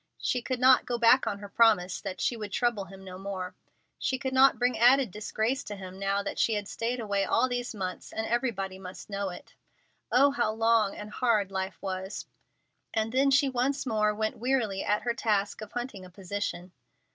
She could not go back on her promise that she would trouble him no more. She could not bring added disgrace to him now that she had stayed away all these months and everybody must know it. Oh, how long and hard life was! And then she once more went wearily at her task of hunting a position.